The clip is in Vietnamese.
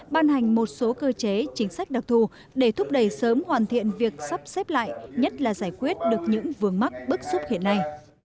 ban hành một số cơ chế chính sách đặc thù để thúc đẩy sớm hoàn thiện việc sắp xếp lại nhất là giải quyết được những vương mắc bức xúc hiện nay